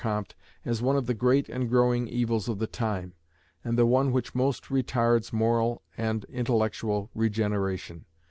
Comte as one of the great and growing evils of the time, and the one which most retards moral and intellectual regeneration.